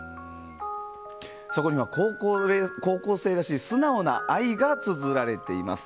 そこには高校生らしい素直な愛がつづられています。